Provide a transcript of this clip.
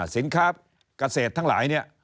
สินค้าเกษตรทั้งหลายเนี่ย